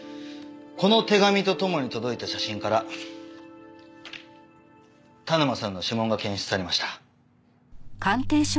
この手紙と共に届いた写真から田沼さんの指紋が検出されました。